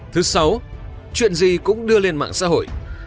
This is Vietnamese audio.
thứ sáu chuyện gì cũng đưa lên mạng xã hội